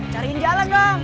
cariin jalan dong